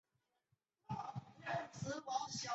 欧舒丹的根据地普罗旺斯即位于此地区内。